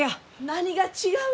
・何が違う？